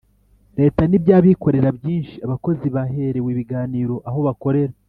Leta n iby abikorera byinshi abakozi baherewe ibiganiro aho bakorera